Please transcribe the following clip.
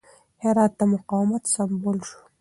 هرات د مقاومت سمبول شو.